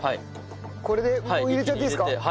これでもう入れちゃっていいですか？